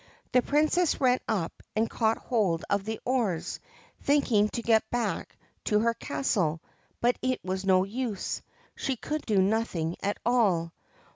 The Princess ran up and caught hold of the oars, thinking to get back to her castle ; but it was no use : she could do nothing at all.